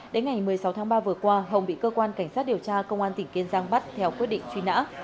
đến ngày một mươi sáu tháng ba vừa qua hồng bị cơ quan cảnh sát điều tra công an tỉnh kiên giang bắt theo quyết định truy nã